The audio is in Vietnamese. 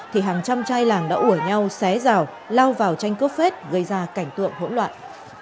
thì hàng trăm trai làng đã ủa nhau xé rào lao vào tranh cướp phết gây ra cảnh tượng hỗn loạn